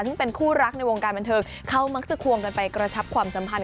ซึ่งเป็นคู่รักในวงการบันเทิงเขามักจะควงกันไปกระชับความสัมพันธ